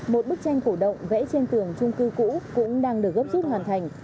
một bức tranh cổ động vẽ trên tường trung cư cũ cũng đang được góp chức hoàn thành